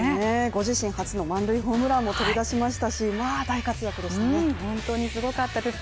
ご自身初の満塁ホームランも飛び出しましたし大活躍です